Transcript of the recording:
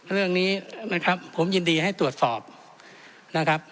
เรื่องนี้นะครับผมยินดีให้ตรวจสอบนะครับ